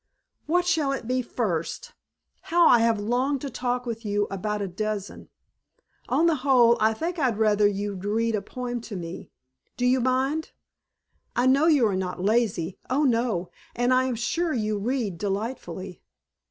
"What shall it be first? How I have longed to talk with you about a dozen. On the whole I think I'd rather you'd read a poem to me. Do you mind? I know you are not lazy oh, no! and I am sure you read delightfully."